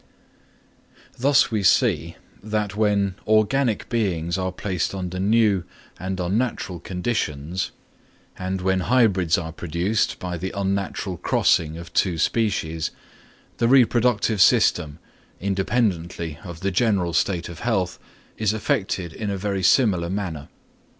Thus we see that when organic beings are placed under new and unnatural conditions, and when hybrids are produced by the unnatural crossing of two species, the reproductive system, independently of the general state of health, is affected in a very similar manner.